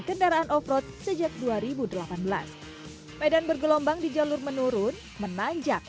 kendaraan off road sejak dua ribu delapan belas medan bergelombang di jalur menurun menanjak